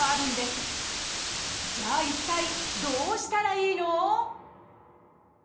じゃあ一体どうしたらいいの？